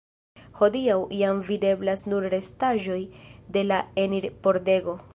Hodiaŭ jam videblas nur restaĵoj de la enir-pordego.